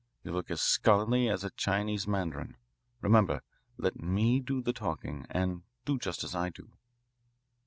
You look as scholarly as a Chinese mandarin. Remember, let me do the talking and do just as I do."